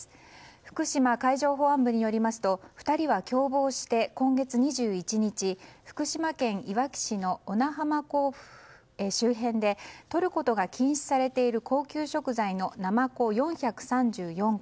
福島海上保安部によりますと２人は共謀して今月２１日福島県いわき市の小名浜港周辺でとることが禁止されている高級食材のナマコ４３４個